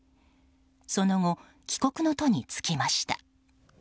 その後、帰国の途に就きました。